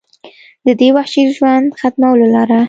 د دې وحشي ژوند ختمولو لره